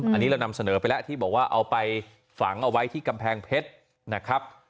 อันนี้เรานำเสนอไปแล้วที่บอกว่าเอาไปฝังเอาไว้ที่กำแพงเพชรนะครับ